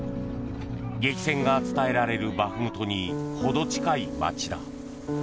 激戦が伝えられるバフムトにほど近い街だ。